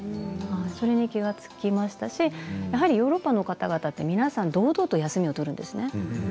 それに気が付きましたしヨーロッパの方々は堂々とお休みを取るんですね。